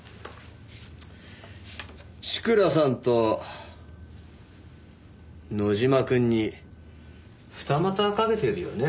千倉さんと野島くんに二股かけてるよね？